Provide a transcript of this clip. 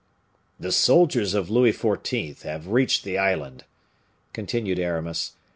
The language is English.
"The soldiers of Louis XIV. have reached the island," continued Aramis.